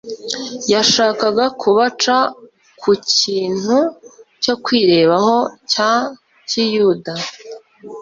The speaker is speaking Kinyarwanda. Yashakaga kubaca ku kintu cyo kwirebaho cya kiyuda